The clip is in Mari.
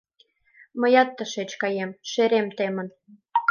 Мыят тышеч каем... шерем темын.